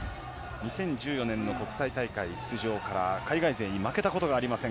２０１４年の国際大会出場から海外勢に負けたことがありません